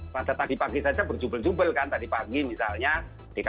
pada tadi pagi saja berjubel jubel kan tadi pagi misalnya